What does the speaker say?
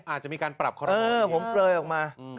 อาจจะมีการปรับคอลโมผมเปลยออกมา